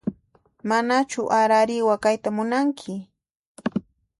Manachu arariwa kayta munanki?